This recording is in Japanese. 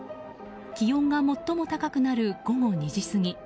気温が最も高くなる午後２時過ぎ